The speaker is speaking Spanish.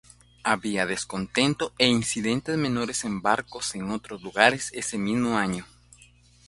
Había descontento e incidentes menores en barcos en otros lugares ese mismo año.